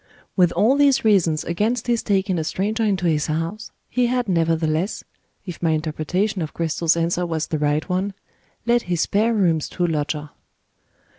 With all these reasons against his taking a stranger into his house, he had nevertheless, if my interpretation of Cristel's answer was the right one, let his spare rooms to a lodger.